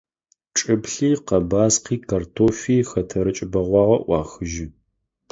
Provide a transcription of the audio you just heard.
Чӏыплъи, къэбаскъи, картофи – хэтэрыкӏ бэгъуагъэ ӏуахыжьы.